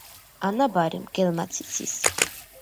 ანაბარი მგელმაც იცის